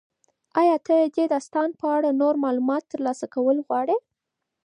ایا ته د دې داستان په اړه نور معلومات ترلاسه کول غواړې؟